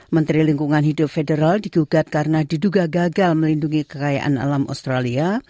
menteri lingkungan hidup federal digugat karena diduga gagal melindungi kekayaan alam australia